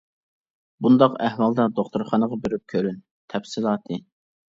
بۇنداق ئەھۋالدا دوختۇرخانىغا بېرىپ كۆرۈن. تەپسىلاتى.